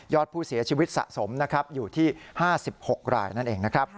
อดผู้เสียชีวิตสะสมนะครับอยู่ที่๕๖รายนั่นเองนะครับ